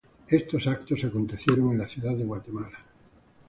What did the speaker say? Estos eventos acontecieron en la ciudad de Guatemala.